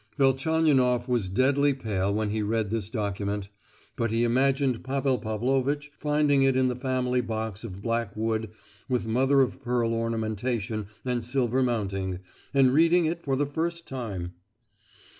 Velchaninoff was deadly pale when he read this document; but he imagined Pavel Pavlovitch finding it in the family box of black wood with mother of pearl ornamentation and silver mounting, and reading it for the first time!